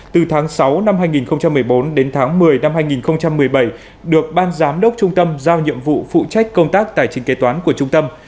từ tháng sáu năm hai nghìn một mươi bốn đến tháng một mươi năm hai nghìn một mươi bảy được ban giám đốc trung tâm giao nhiệm vụ phụ trách công tác tài chính kế toán của trung tâm